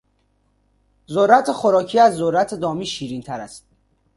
ذرت خوراکی از ذرت دامی شیرینتر است.